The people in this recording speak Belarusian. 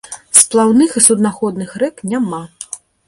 Сплаўных і суднаходных рэк няма.